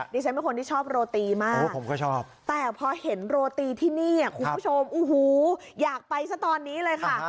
ดิฉันเป็นคนที่ชอบโรตีมากแต่พอเห็นโรตีที่นี่คุณผู้ชมโอ้โหอยากไปซะตอนนี้เลยค่ะ